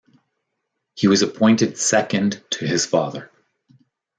He was appointed second to his father.